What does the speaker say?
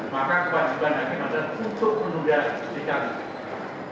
maka kewajiban haki madras untuk menunda persidangan